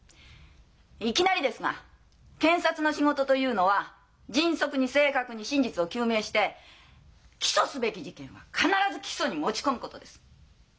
いきなりですが検察の仕事というのは迅速に正確に真実を究明して起訴すべき事件は必ず起訴に持ち込むことです。